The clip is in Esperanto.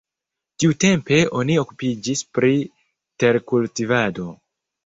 Tiutempe oni okupiĝis pri terkultivado.